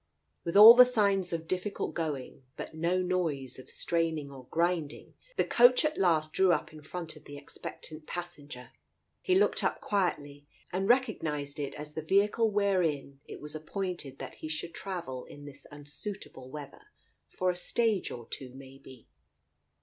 With all the signs of difficult going, but no noise of straining or grinding, the coach at last drew up in front of the expectant passenger. He looked up quietly, and recognized it as the vehicle wherein it was appointed that he should travel in this unsuitable weather for a stage or two, maybe.